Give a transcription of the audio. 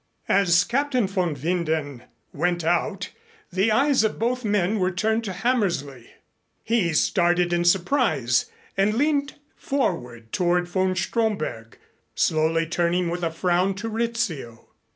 As Captain von Winden went out, the eyes of both men were turned to Hammersley. He started in surprise, and leaned forward toward von Stromberg, slowly turning with a frown to Rizzio.